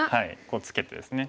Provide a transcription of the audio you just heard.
こうツケてですね。